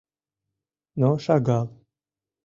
Но шагал.